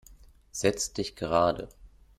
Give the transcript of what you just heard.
Setzt dich gerade!